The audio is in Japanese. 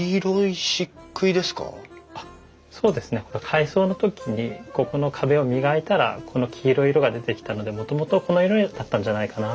改装の時にここの壁を磨いたらこの黄色い色が出てきたのでもともとこの色だったんじゃないかな。